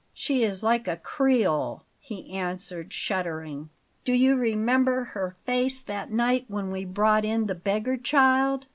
"She is like a Creole," he answered, shuddering. "Do you remember her face that night when we brought in the beggar child?